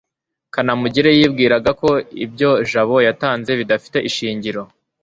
kanamugire yibwiraga ko ibyo jabo yatanze bidafite ishingiro